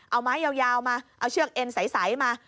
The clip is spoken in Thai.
เอาไม้ยาวมาเอาเชือกเอ็นใสมา